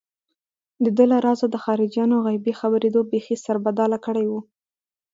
دده له رازه د خارجيانو غيبي خبرېدو بېخي سربداله کړی و.